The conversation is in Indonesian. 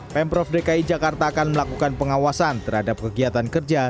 pemprov dki jakarta akan melakukan pengawasan terhadap kegiatan kerja